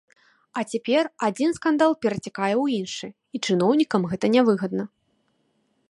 А цяпер адзін скандал перацякае ў іншы, і чыноўнікам гэта нявыгадна.